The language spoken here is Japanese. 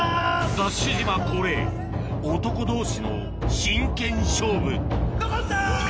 ＤＡＳＨ島恒例男同士の真剣勝負のこった！